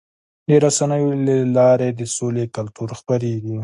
د رسنیو له لارې د سولې کلتور خپرېږي.